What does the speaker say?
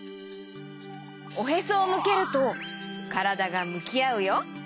おへそをむけるとからだがむきあうよ。